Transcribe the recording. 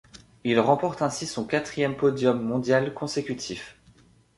Il remporte ainsi son quatrième podium mondial consécutif.